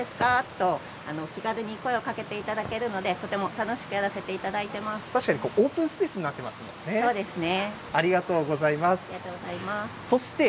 と、気軽に声をかけていただけるので、とても楽しくやらせていただいて確かにオープンスペースになそうですね。